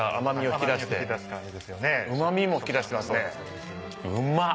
うま味も引き出してますねうまっ！